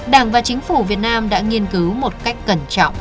đảng và chính phủ việt nam đã nghiên cứu một cách cẩn trọng